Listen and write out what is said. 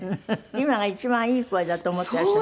今が一番いい声だと思ってらっしゃる？